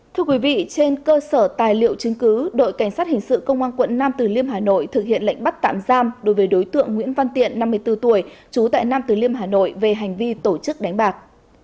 thưa quý vị trên cơ sở tài liệu chứng cứ đội cảnh sát hình sự công an quận nam từ liêm hà nội thực hiện lệnh bắt tạm giam đối với đối tượng nguyễn văn tiện năm mươi bốn tuổi trú tại nam tử liêm hà nội về hành vi tổ chức đánh bạc